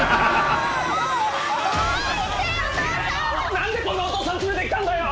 なんでこんなお父さん連れてきたんだよ！